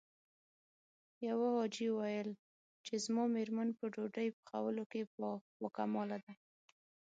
يوه حاجي ويل چې زما مېرمن په ډوډۍ پخولو کې باکماله ده.